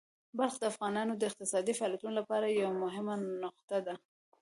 بلخ د افغانانو د اقتصادي فعالیتونو لپاره یوه مهمه نقطه ده.